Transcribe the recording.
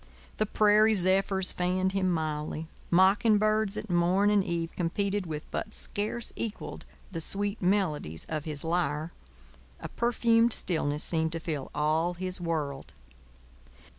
The prairie zephyrs fanned him mildly; mocking birds at morn and eve competed with but scarce equalled the sweet melodies of his lyre; a perfumed stillness seemed to fill all his world.